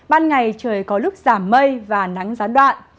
ban ngày trời có lúc giảm mây và nắng gián đoạn